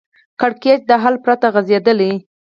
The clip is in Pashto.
کړکېچ د حل پرته غځېدلی